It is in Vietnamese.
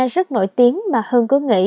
rất nổi tiếng mà hương cứ nghĩ